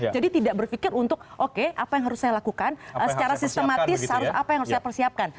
jadi tidak berpikir untuk oke apa yang harus saya lakukan secara sistematis apa yang harus saya persiapkan